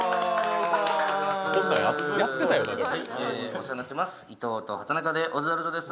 お世話になってます。